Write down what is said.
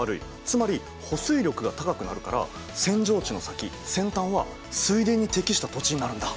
つまり保水力が高くなるから扇状地の先扇端は水田に適した土地になるんだ。